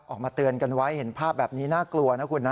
ออกมาเตือนกันไว้เห็นภาพแบบนี้น่ากลัวนะคุณนะ